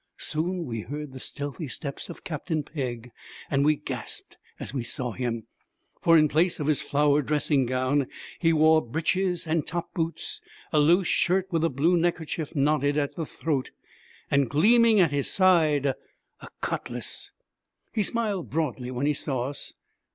Soon we heard the stealthy steps of Captain Pegg, and we gasped as we saw him; for in place of his flowered dressing gown he wore breeches and top boots, a loose shirt with a blue neckerchief knotted at the throat, and, gleaming at his side, a cutlass. He smiled broadly when he saw us.